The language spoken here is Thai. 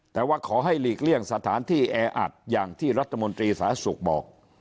แต่ว่าขอให้หลีกเลี่ยงสถานที่แออัดอย่างที่รัฐมนตรีสาธารณสุขบอก